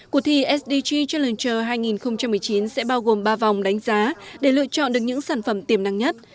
cuộc thi sdg challenger hai nghìn một mươi chín sẽ bao gồm ba vòng đánh giá để lựa chọn được những sản phẩm tiềm năng nhất